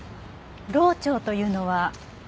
漏調というのは？